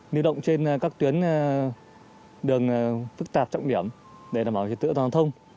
lưu động trên các tuyến đường phức tạp trọng điểm để đảm bảo chiến tựa toàn thông